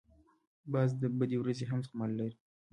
باز د بدې ورځې هم زغم لري